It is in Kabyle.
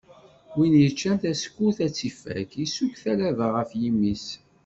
Win yeččan tasekkurt ar tt-ifak, isuk talaba ɣef yimi-s.